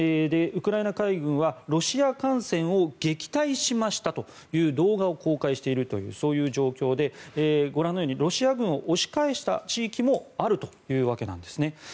ウクライナ海軍はロシア艦船を撃退しましたという動画を公開しているというそういう状況で、ご覧のようにロシア軍を押し返した地域もあるというわけなんですね。